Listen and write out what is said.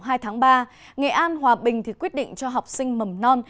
trong ngày ba tháng ba nghệ an hòa bình quyết định cho học sinh mầm non